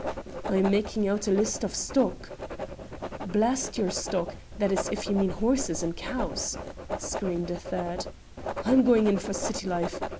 "I am making out a list of stock " "Blast your stock! that is, if you mean horses and cows!" screamed a third. "I'm going in for city life.